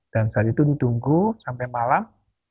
dan saat itu ditunggu sampai malam